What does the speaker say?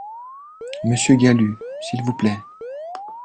Monsieur Galut, s’il vous plaît